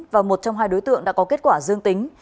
và một trong hai đối tượng đã có kết quả dương tính